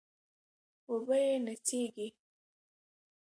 وبه يې نڅېږي